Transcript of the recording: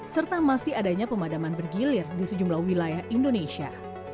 serta masih adanya pemadaman bergilir di sejumlah wilayah indonesia